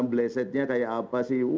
blesetnya kayak apa sih